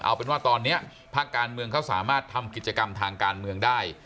เอาเป็นว่าตอนนี้ภาคการเมืองเขาสามารถทำกิจกรรมทางการเมืองได้